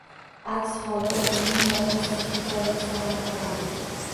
Aks holda o`zimning yaramas kichkintoyimni sog`inib qolaman